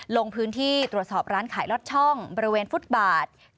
ลงพื้นที่ตรวจสอบร้านขายลอดช่องบริเวณฟุตบาท